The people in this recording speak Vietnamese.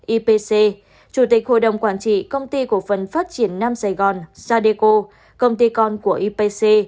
ipc chủ tịch hội đồng quản trị công ty cổ phần phát triển nam sài gòn sadeco công ty con của ipc